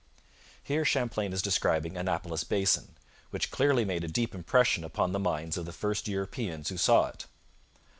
Here Champlain is describing Annapolis Basin, which clearly made a deep impression upon the minds of the first Europeans who saw it.